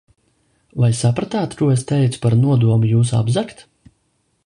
Vai sapratāt, ko es teicu par nodomu jūs apzagt?